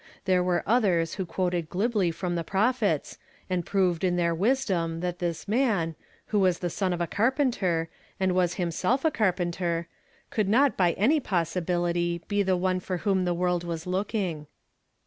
There were others who quoted glibly from the prophets, and proved iu their wisdom that this man, who was the 224 YESTERDAY FRAMED IN TO DAY. son of a carpenter, and was himself a carpenter, could not by any possibility be the one for whom the world was looking.